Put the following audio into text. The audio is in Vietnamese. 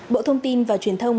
bộ thông tin và truyền thông